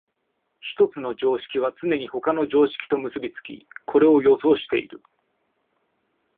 一つの常識はつねに他の常識と結び付き、これを予想している。